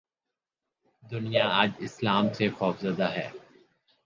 : دنیا آج اسلام سے خوف زدہ ہے۔